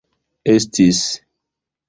estis